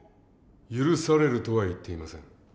許されるとは言っていません。